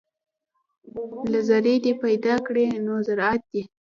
له ذرې دې پیدا کړي نور ذرات دي